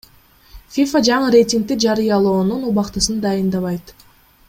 ФИФА жаңы рейтингди жарыялоонун убактысын дайындабайт.